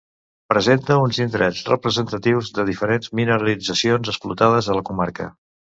Presenta uns indrets representatius de diferents mineralitzacions explotades a la comarca.